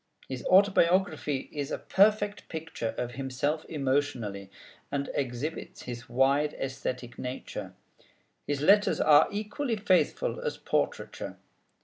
His Autobiography is a perfect picture of himself emotionally, and exhibits his wide æsthetic nature. His Letters are equally faithful as portraiture.